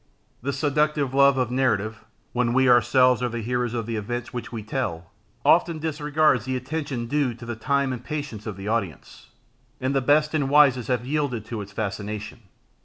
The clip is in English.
The seductive love of narrative, when we ourselves are the heroes of the events which we tell, often disregards the attention due to the time and patience of the audience, and the best and wisest have yielded to its fascination.